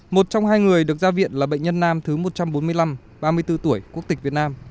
một trong hai người được ra viện là bệnh nhân nam thứ một trăm bốn mươi năm ba mươi bốn tuổi quốc tịch việt nam